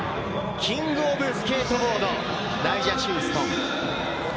キング・オブ・スケートボード、ナイジャ・ヒューストン。